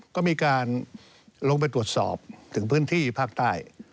ก็มีการลงไปตรวจสอบถึงพื้นที่ภาคใต้